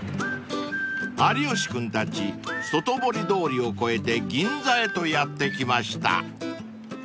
［有吉君たち外堀通りを越えて銀座へとやって来ました］